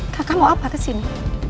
kakak mau apa kesini